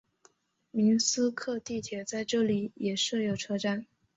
明斯克地铁在这里也设有车站。